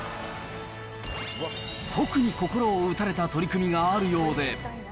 特に心を打たれた取組があるようで。